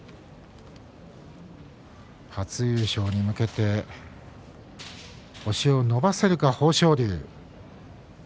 初優勝に向けて星を伸ばせるか豊昇龍。